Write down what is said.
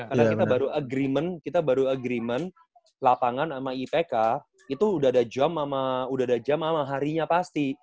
karena kita baru agreement kita baru agreement lapangan sama ipk itu udah ada jam sama harinya pasti